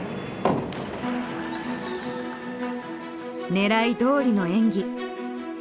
狙いどおりの演技。